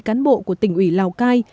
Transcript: cán bộ của tỉnh ủy lào cai